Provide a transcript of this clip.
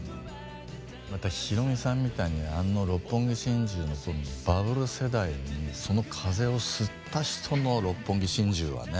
またひろみさんみたいにあの「六本木心中」の頃のバブル世代にその風を吸った人の「六本木心中」はね。